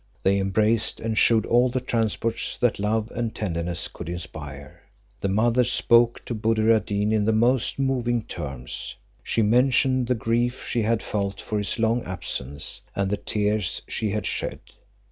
They embraced, and shewed all the transports that love and tenderness could inspire. The mother spoke to Buddir ad Deen in the most moving terms; she mentioned the grief she had felt for his long absence, and the tears she had shed.